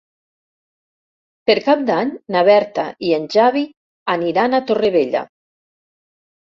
Per Cap d'Any na Berta i en Xavi aniran a Torrevella.